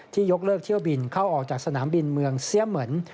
ยกเลิกเที่ยวบินเข้าออกจากสนามบินเมืองเสียเหมือน